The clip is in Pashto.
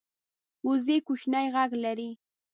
وزې کوچنی غږ لري